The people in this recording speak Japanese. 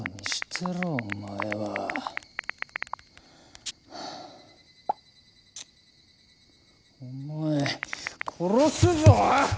てろお前は。お前殺すぞ！